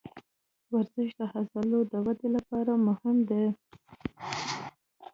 ورزش د عضلو د ودې لپاره مهم دی.